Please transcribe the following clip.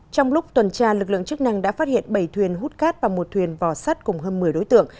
trong lúc tuần tra lực lượng chức năng đã phát hiện bảy thuyền hút cát và một thuyền vò sắt cùng hơn một mươi đối tượng